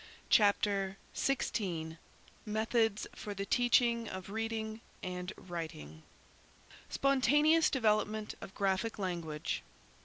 CHAPTER XVI METHODS FOR THE TEACHING OF READING AND WRITING Spontaneous Development of Graphic Language.